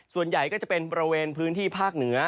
ส่วนใหญ่ก็จะเป็นบริเวณพื้นที่ภาคเหนือ